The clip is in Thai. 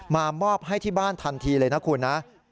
มอบให้ที่บ้านทันทีเลยนะคุณนะ